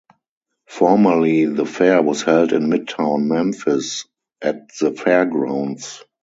Formerly, the fair was held in midtown Memphis at the Fairgrounds.